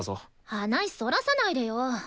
話そらさないでよ。